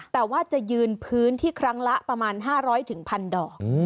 แต่ว่าจะยืนพื้นที่ครั้งละประมาณ๕๐๐๑๐๐ดอก